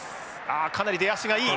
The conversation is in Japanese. かなり出足がいい。